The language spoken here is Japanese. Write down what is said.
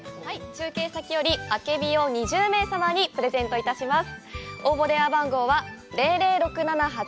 中継先よりあけびを２０名様にプレゼントいたします。